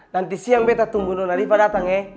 nanti siang beta tunggu nona rifai datang ya